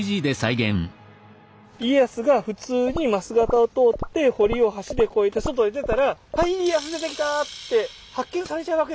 家康が普通に枡形を通って堀を橋で越えて外へ出たら「はい家康出てきた！」って発見されちゃうわけですよね。